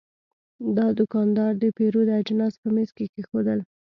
دا دوکاندار د پیرود اجناس په میز کې کېښودل.